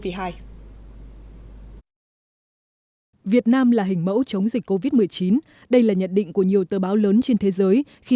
việt nam là hình mẫu chống dịch covid một mươi chín đây là nhận định của nhiều tờ báo lớn trên thế giới khi